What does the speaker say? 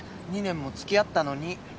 ２年も付き合ったのに。